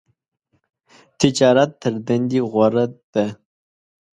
تجارت تر دندی غوره ده .